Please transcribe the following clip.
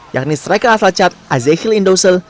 yakni striker asalcat azehil indosel